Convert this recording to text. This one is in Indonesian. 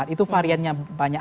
itu variannya banyak